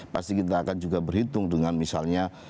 pasti kita akan juga berhitung dengan misalnya